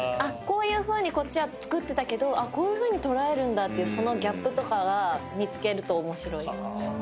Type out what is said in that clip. こういうふうにこっちは作ってたけどこういうふうに捉えるんだっていうそのギャップとかが見つけると面白い。